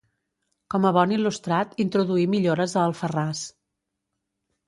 Com a bon il·lustrat, introduí millores a Alfarràs.